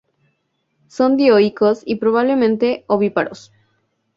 Son dioicos y probablemente ovíparos.